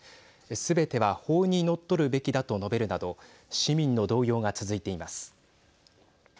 すべては法にのっとるべきだと述べるなど市民の動揺が続いています。